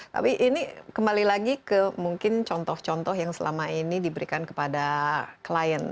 tapi ini kembali lagi ke mungkin contoh contoh yang selama ini diberikan kepada klien